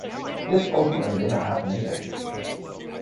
This ultimately did not happen either.